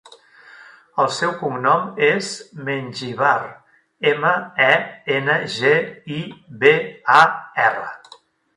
El seu cognom és Mengibar: ema, e, ena, ge, i, be, a, erra.